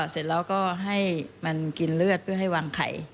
เสร็จแล้วก็ให้มันกินเลือดเพื่อให้วางไข่